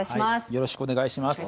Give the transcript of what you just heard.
よろしくお願いします。